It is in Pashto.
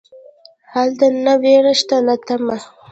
هلته نه ویره شته نه تمه.